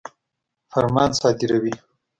فرمان صادروي.